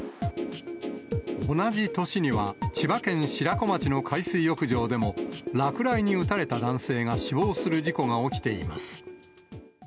同じ年には、千葉県白子町の海水浴場でも、落雷に打たれた男性が死亡する事故が起きています。